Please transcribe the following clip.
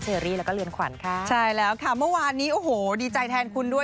เชอรี่แล้วก็เรือนขวัญค่ะใช่แล้วค่ะเมื่อวานนี้โอ้โหดีใจแทนคุณด้วย